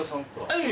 はい。